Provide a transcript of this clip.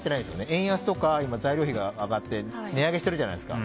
円安とか、材料費が上がって値上げしてるじゃないですか。